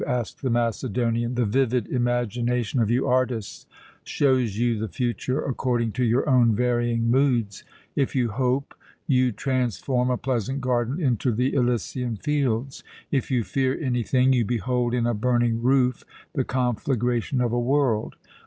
asked the Macedonian. "The vivid imagination of you artists shows you the future according to your own varying moods. If you hope, you transform a pleasant garden into the Elysian fields; if you fear anything you behold in a burning roof the conflagration of a world.